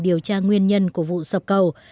điều tra nguyên nhân của vụ sập cầu